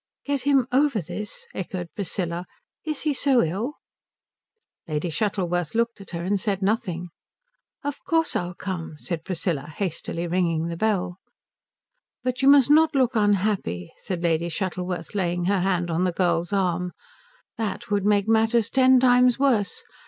"Get him over this?" echoed Priscilla. "Is he so ill?" Lady Shuttleworth looked at her and said nothing. "Of course I'll come," said Priscilla, hastily ringing the bell. "But you must not look unhappy," said Lady Shuttleworth, laying her hand on the girl's arm, "that would make matters ten times worse.